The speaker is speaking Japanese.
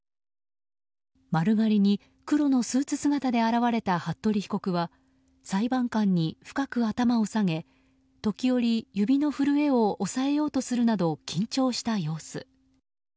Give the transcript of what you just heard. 丸刈りに黒のスーツ姿で現れた服部被告は裁判官に深く頭を下げ、時折指の震えを抑えようとするなど緊張した様子。